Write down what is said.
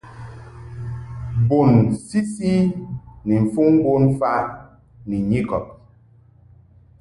Bun sisi ni mfuŋ bonfaʼ ni nyikɔb.